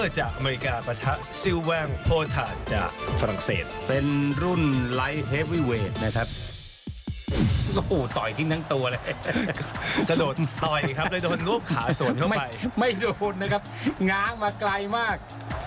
เยี่ยมกลัวความคุดนะครับง้างมาไกลมาก